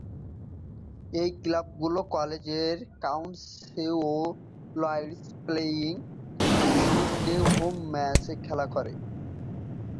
এই ক্লাবগুলো কলেজের কাউন্টেসওয়েলস প্লেয়িং ফিল্ডে তাদের হোম ম্যাচ খেলে থাকে।